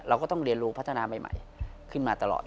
เราก็ต้องเรียนรู้พัฒนาใหม่ขึ้นมาตลอด